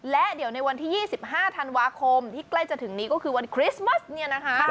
และเดี๋ยวในวันที่๒๕ธันวาคมที่ใกล้จะถึงนี้ก็คือวันคริสต์มัสเนี่ยนะคะ